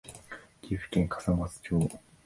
岐阜県笠松町